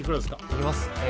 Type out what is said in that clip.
いきますえ